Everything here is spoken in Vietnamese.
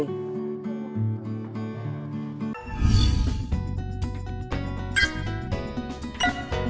hành trình vì hòa bình